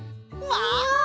わ！